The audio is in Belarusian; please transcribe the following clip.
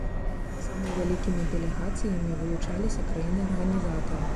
Сама вялікімі дэлегацыямі вылучаліся краіны-арганізатары.